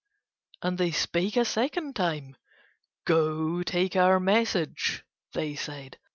And they spake a second time. "Go take our message," they said.